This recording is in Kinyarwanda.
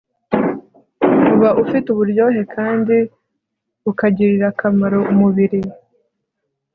uba ufite uburyohe kandi ukagirira akamaro umubiri